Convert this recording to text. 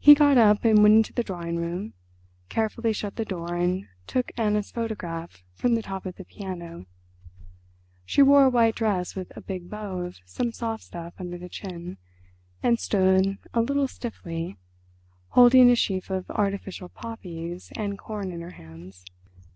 He got up and went into the drawing room, carefully shut the door and took Anna's photograph from the top of the piano. She wore a white dress with a big bow of some soft stuff under the chin, and stood, a little stiffly, holding a sheaf of artificial poppies and corn in her hands.